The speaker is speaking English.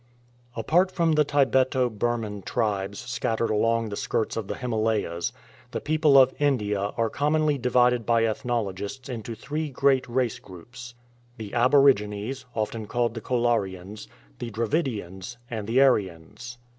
A PART from the Tibeto Burman tribes scattered along L\ the skirts of the Himalayas, the peoples of India are commonly divided by ethnologists into three great race groups — the aborigines (often called the Kolarians), the Dravidians, and the Aryans.